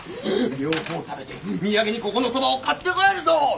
両方食べて土産にここのそばを買って帰るぞ！